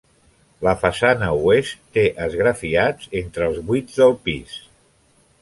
La façana oest té esgrafiats entre els buits del pis.